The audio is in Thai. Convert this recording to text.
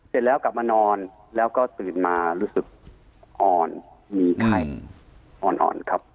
เสร็จแล้วกลับมานอนแล้วก็ตื่นมารู้สึกอ่อนมีไข้อ่อนครับ